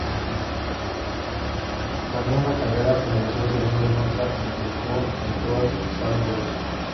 Ganó una carrera, finalizó segundo en otra y puntuó en todas salvo dos.